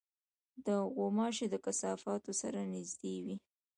غوماشې د کثافاتو سره نزدې وي.